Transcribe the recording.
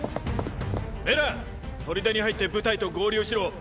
メラン砦に入って部隊と合流しろ。